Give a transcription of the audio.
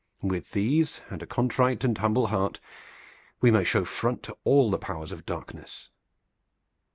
With these and a contrite and humble heart we may show front to all the powers of darkness."